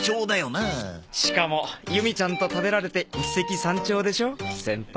しかもユミちゃんと食べられて一石三鳥でしょ先輩。